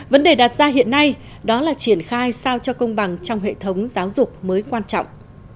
vấn đề đặt ra hiện nay đó là triển khai sao cho công bằng trong hệ thống giáo dục mới quan trọng